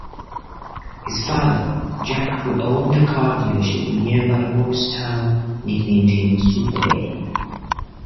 His father, Jack-who owned a car dealership in nearby Morristown-nicknamed him Super Babe.